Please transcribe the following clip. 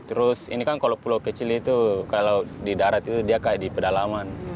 terus ini kan kalau pulau kecil itu kalau di darat itu dia kayak di pedalaman